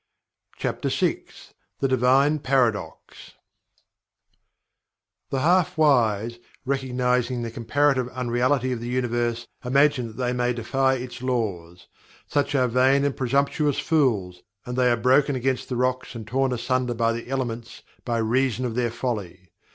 CHAPTER VI THE DIVINE PARADOX "The half wise, recognizing the comparative unreality of the Universe, imagine that they may defy its Laws such are vain and presumptuous fools, and they are broken against the rocks and torn asunder by the elements by reason of their folly.